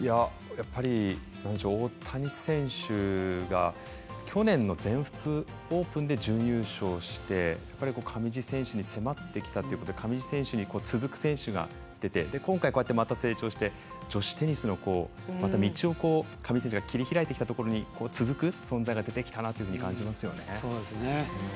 大谷選手が去年の全仏オープンで準優勝して上地選手に迫ってきたということで上地選手に続く選手が出て今回、こうやってまた成長して女子テニスのまた道を上地選手が切り開いてきたところに続く存在が出てきたなと感じますよね。